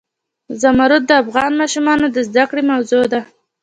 زمرد د افغان ماشومانو د زده کړې موضوع ده.